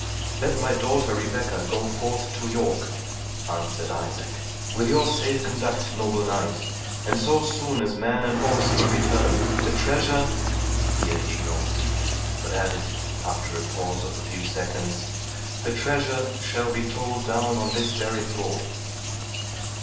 "Let my daughter Rebecca go forth to York," answered Isaac, "with your safe conduct, noble knight, and so soon as man and horse can return, the treasure— " Here he groaned deeply, but added, after the pause of a few seconds,—"The treasure shall be told down on this very floor."